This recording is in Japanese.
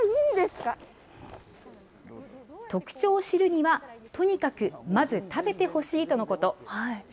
特徴を知るには、とにかくまず食べてほしいとのこと。